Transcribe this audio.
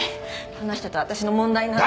この人と私の問題なので。